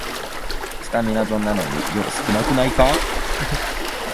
スタミナ丼なのに量少なくないか